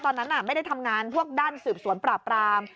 ตอนนั้นไม่ได้ทำงานพวกด้านสืบสวนปราบราม